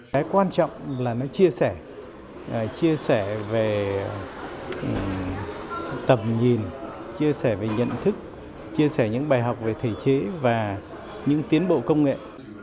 cái quan trọng là nó chia sẻ chia sẻ về tầm nhìn chia sẻ về nhận thức chia sẻ những bài học về thể chế và những tiến bộ công nghệ